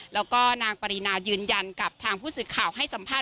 แล้วก็นางปรินายืนยันกับทางผู้สื่อข่าวให้สัมภาษ